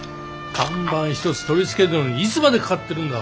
看板一つ取り付けるのにいつまでかかってるんだ。